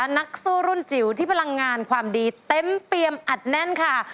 นักสู้รุ่นจิ๋วที่พลังงานความดีเต็มเปรียมอัดแน่นค่ะ